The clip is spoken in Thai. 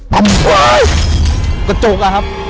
กระจกอะครับ